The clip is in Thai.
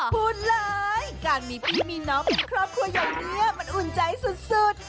พูดเลยการมีพี่มีน้องเป็นครอบครัวอย่างนี้มันอุ่นใจสุด